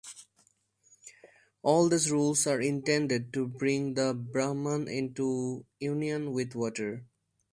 All these rules are intended to bring the Brahman into union with water.